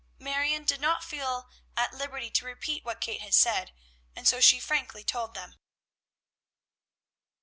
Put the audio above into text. Marion did not feel at liberty to repeat what Kate had said, and so she frankly told them.